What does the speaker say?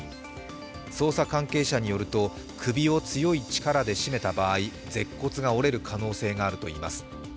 捜査関係者によると首を強い力で絞めた場合舌骨が折れる可能性があるといいます。